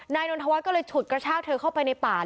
นนทวัฒน์ก็เลยฉุดกระชากเธอเข้าไปในป่า